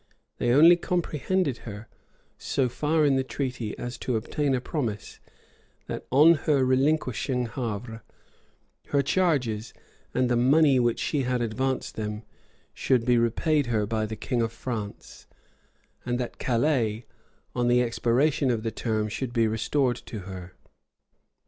They only comprehended her so far in the treaty, as to obtain a promise that, on her relinquishing Havre, her charges, and the money which she had advanced them, should be repaid her by the king of France, and that Calais, on the expiration of the term, should be restored to her.